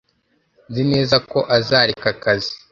Nzi neza ko azareka akazi.